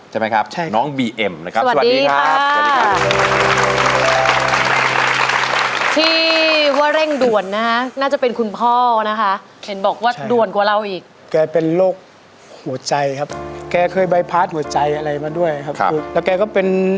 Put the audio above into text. ใช่ไหมครับน้องบีเอ็มนะครับสวัสดีครับสวัสดีครับสวัสดีครับสวัสดีครับ